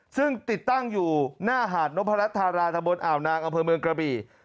ซึ่งติดตั้งอยู่หน้าหาดนพรัชธาราตะบนอ่าวนางอำเภอเมืองกระบี่